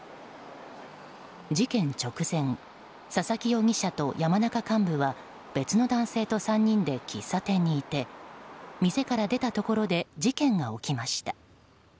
事件直前佐々木容疑者と山中幹部は別の男性と３人で喫茶店にいて店から出たところで事件が起きました。